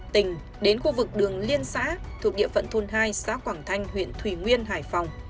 tỉnh đến khu vực đường liên xã thuộc địa phận thôn hai xã quảng thanh huyện thủy nguyên hải phòng